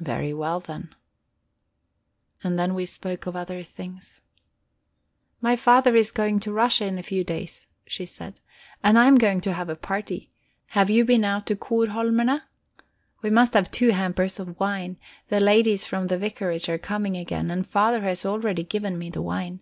"Very well, then." And then we spoke of other things. "My father is going to Russia in a few days," she said. "And I am going to have a party. Have you been out to Korholmerne? We must have two hampers of wine; the ladies from the vicarage are coming again, and father has already given me the wine.